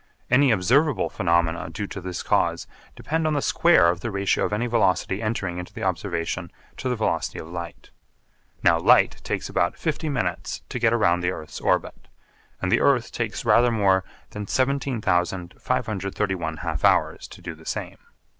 Any observable phenomena due to this cause depend on the square of the ratio of any velocity entering into the observation to the velocity of light. Now light takes about fifty minutes to get round the earth's orbit; and the earth takes rather more than 17,531 half hours to do the same.